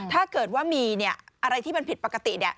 ถ้าเกิดว่ามีอะไรที่มันผิดปกติ